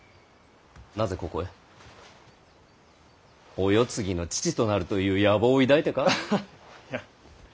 お世継ぎの父となるという野望を抱いてか？